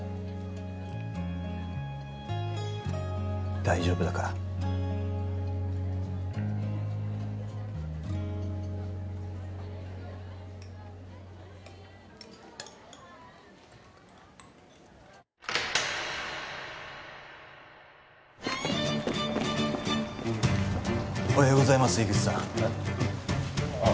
大丈夫だからおはようございます井口さんえっ？